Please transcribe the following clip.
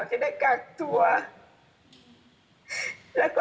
จะได้กลักจัง